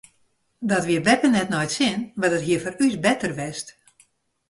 Dat wie beppe net nei it sin mar dat hie foar ús better west.